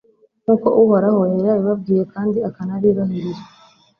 nk'uko uhoraho yari yarabibabwiye kandi akanabirahirira